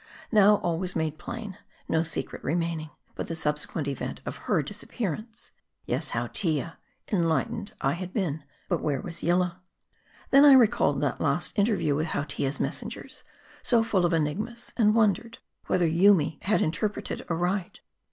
Now, all was made plain : no secret remaining, but the subsequent event of her disappearance. Yes, Hautia ! enlightened I had been but where was Yillah T Then I recalled that last interview with Hautia' s mes sengers, so full of enigmas ; and wondered, whether Yoomy had interpreted aright.